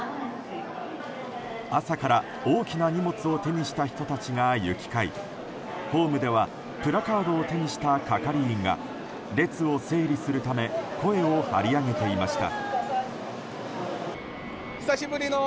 朝から大きな荷物を手にした人たちが行き交いホームではプラカードを手にした係員が列を整理するため声を張り上げていました。